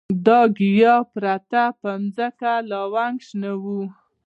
د ګیاه پرته په ځمکه لونګۍ شنه وه.